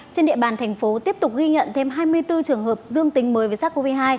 trên địa bàn thành phố tiếp tục ghi nhận thêm hai mươi bốn trường hợp dương tính với sars cov hai